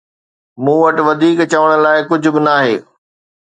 مون وٽ وڌيڪ چوڻ لاءِ ڪجهه به ناهي